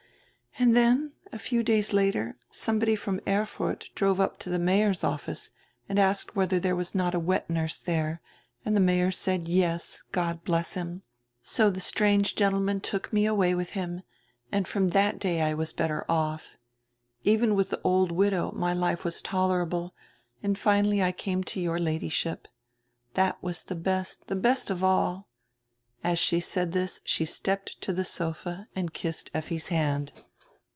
"And then, a few days later, somebody from Erfurt drove up to die mayor's office and asked whether there was not a wet nurse there, and die mayor said 'y es >' God bless him! So die strange gentleman took me away with him and from that day I was better off. Even with die old widow my life was tolerable, and finally I came to your Ladyship, That was die best, die best of all." As she said this she stepped to die sofa and kissed Effi's hand.